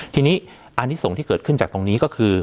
ทีนี้อันนี้ส่งที่เกิดขึ้นจากตรงนี้ก็คือ